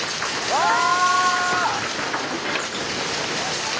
わあ！